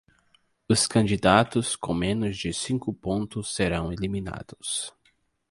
Os candidatos com menos de cinco pontos serão eliminados.